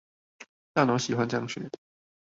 大腦喜歡這樣學